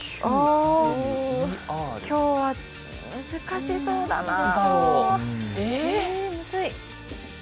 今日は難しそうだなあ。